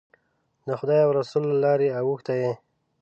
د خدای او رسول له لارې اوښتی یې.